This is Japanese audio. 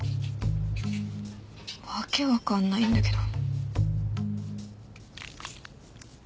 訳わかんないんだけど。